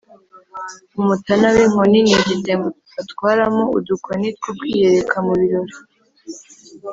umutana w’inkoni: ni igitembo batwaramo udukoni two kwiyereka mu birori